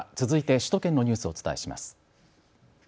続いて首都圏のニュースをお伝えします。